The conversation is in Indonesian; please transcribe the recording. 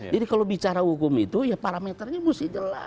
jadi kalau bicara hukum itu ya parameternya mesti jelas